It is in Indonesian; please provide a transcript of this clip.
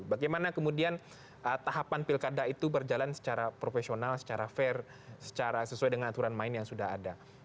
bagaimana kemudian tahapan pilkada itu berjalan secara profesional secara fair secara sesuai dengan aturan main yang sudah ada